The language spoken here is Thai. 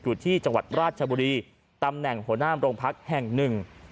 อยู่ที่จังหวัดราชบุรีตำแหน่งหัวหน้ามโรงพักแห่งหนึ่ง